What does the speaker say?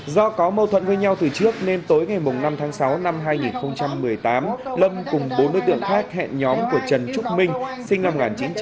do có mâu thuẫn với nhau từ trước nên tối ngày năm tháng sáu năm hai nghìn một mươi tám lâm cùng bốn đối tượng khác hẹn nhóm của trần trúc minh sinh năm một nghìn chín trăm tám mươi